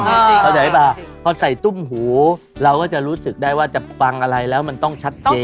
เออจริงจริงจริงเพราะใส่ตุ้มหูเราก็จะรู้สึกได้ว่าจะฟังอะไรแล้วมันต้องชัดเจน